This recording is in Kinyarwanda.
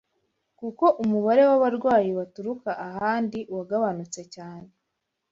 kuko umubare w’abarwayi baturuka ahandi wagabanutse cyane.